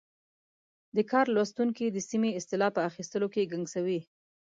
دا کار لوستونکی د سمې اصطلاح په اخیستلو کې ګنګسوي.